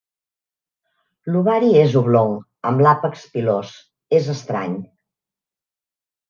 L'ovari és oblong, amb l'àpex pilós, és estrany